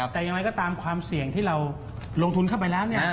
แต่ยังไงก็ตามความเสี่ยงที่เราลงทุนเข้าไปแล้ว